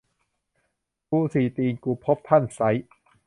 กูสี่ตีนกูพบ ท่านไซร้